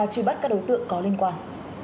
truy bắt các đối tượng có liên quan